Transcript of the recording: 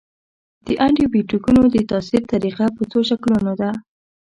د انټي بیوټیکونو د تاثیر طریقه په څو شکلونو ده.